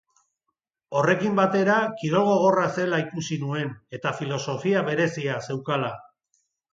Horrekin batera, kirol gogorra zela ikusi nuen, eta filosofia berezia zeukala.